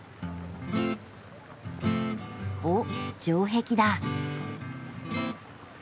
おっ城壁だ。